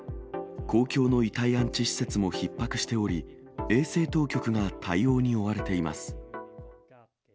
公共の遺体安置施設もひっ迫しており、衛生当局が対応に追われています。